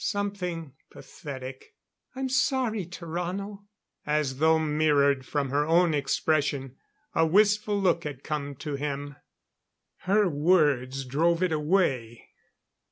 Something pathetic.... "I'm sorry, Tarrano." As though mirrored from her own expression, a wistful look had come to him. Her words drove it away.